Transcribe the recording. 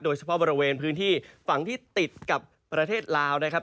โดยเฉพาะบริเวณพื้นที่ฝั่งที่ติดกับประเทศลาวนะครับ